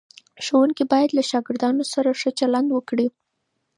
ښوونکي باید له شاګردانو سره ښه چلند وکړي.